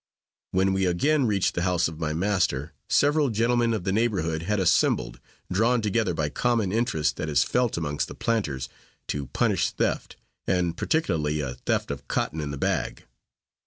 When we again reached the house of my master, several gentlemen of the neighborhood had assembled, drawn together by common interest that is felt amongst the planters to punish theft, and particularly a theft of cotton in the bag.